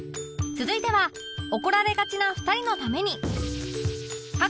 続いては怒られがちな２人のために